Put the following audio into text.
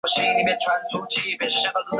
同时成为明治神宫的主祭司。